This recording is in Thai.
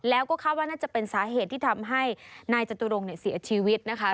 แล้วก็คาดว่าน่าจะเป็นสาเหตุที่ทำให้นายจตุรงค์เสียชีวิตนะคะ